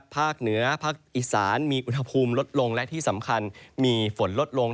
ภาคเหนือภาคอีสานมีอุณหภูมิลดลงและที่สำคัญมีฝนลดลง